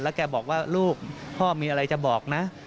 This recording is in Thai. แกบอกว่าลูกพ่อมีอะไรจะบอกนะ